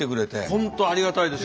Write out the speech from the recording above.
本当ありがたいです。